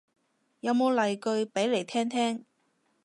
有冇例句俾嚟聽聽